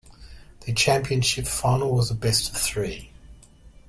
The championship final was a best-of-three.